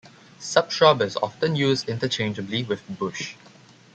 "Subshrub" is often used interchangeably with "bush".